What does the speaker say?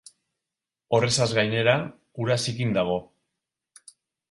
Horrezaz gainera, ura zikin dago.